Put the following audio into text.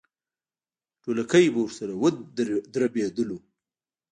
ډولکی به ورسره ودربېدلو.